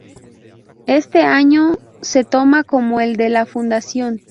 Este año se toma como el de la fundación.